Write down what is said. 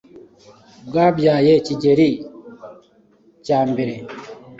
Bwabyaye Kigeli cya mbere.